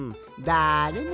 だれも！？